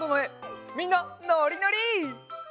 みんなノリノリ！